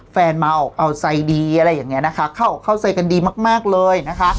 มาออกเอาใจดีอะไรอย่างนี้นะคะเข้าเข้าใจกันดีมากมากเลยนะคะ